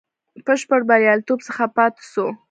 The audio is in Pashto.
بشپړ بریالیتوب څخه پاته شو.